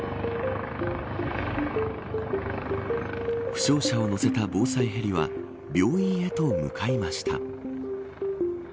負傷者を乗せた防災ヘリは病院へと向かいました。